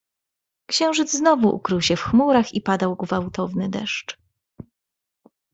"Księżyc znowu ukrył się w chmurach i padał gwałtowny deszcz."